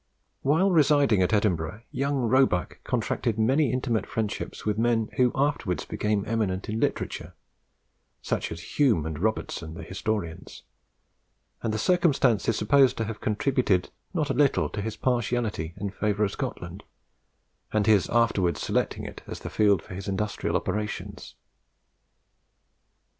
While residing at Edinburgh young Roebuck contracted many intimate friendships with men who afterwards became eminent in literature, such as Hume and Robertson the historians, and the circumstance is supposed to have contributed not a little to his partiality in favour of Scotland, and his afterwards selecting it as the field for his industrial operations.